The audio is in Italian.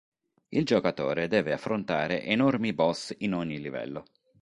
Il giocatore deve affrontare enormi boss in ogni livello.